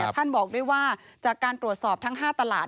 ท่านบอกด้วยว่าจากการตรวจสอบทั้ง๕ตลาด